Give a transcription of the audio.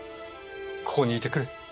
ここにいてくれ。